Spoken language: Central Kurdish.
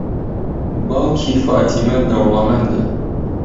باوکی فاتیمە دەوڵەمەندە.